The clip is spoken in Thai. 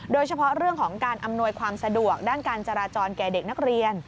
โดยเฉพาะเรื่องของการอำนวยความสะดวกด้านการจราจรแก่เด็กนักเรียน